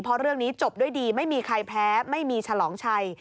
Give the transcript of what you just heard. เพราะเรื่องนี้จบด้วยดีไม่มีใครแพ้ไม่มีฉลองชัย